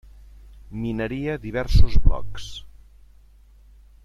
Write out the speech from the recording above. Mineria diversos blocs.